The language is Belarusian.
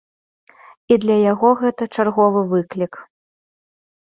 І для яго гэта чарговы выклік.